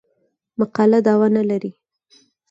مقاله دعوا نه لري.